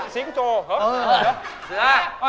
สีอินโจ